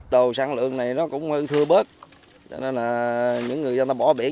đầu sáng lượng này nó cũng thưa bớt cho nên là những người ta bỏ biển